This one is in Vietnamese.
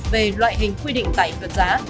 về loại hình quy định tẩy thuật giá